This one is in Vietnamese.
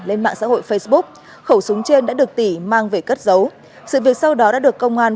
lên mạng xã hội facebook khẩu súng trên đã được tỉ mang về cất giấu sự việc sau đó đã được công an